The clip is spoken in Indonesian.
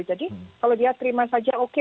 jadi kalau dia terima saja oke